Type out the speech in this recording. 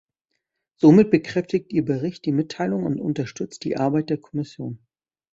Somit bekräftigt Ihr Bericht die Mitteilungen und unterstützt die Arbeit der Kommission.